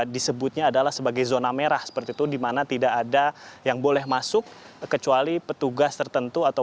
disebutnya adalah sebagai zona merah seperti itu dimana tidak ada yang boleh masuk kecuali petugas tertentu